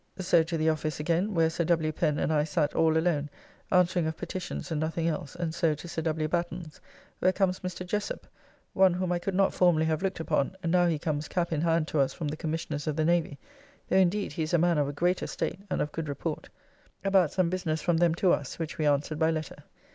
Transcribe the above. So to the office again, where Sir W. Pen and I sat all alone, answering of petitions and nothing else, and so to Sir W. Batten's, where comes Mr. Jessop (one whom I could not formerly have looked upon, and now he comes cap in hand to us from the Commissioners of the Navy, though indeed he is a man of a great estate and of good report), about some business from them to us, which we answered by letter.